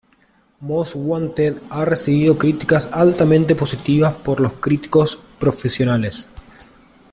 Most Wanted ha recibido críticas altamente positivas por críticos profesionales.